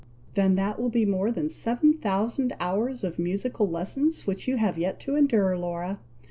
"Then that will be more than seven thousand hours of musical lessons which you have yet to endure, Laura!